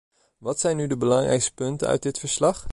Wat zijn nu de belangrijkste punten uit dit verslag?